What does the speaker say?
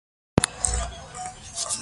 سوریه او فلسطین بېوزله هېوادونه دي.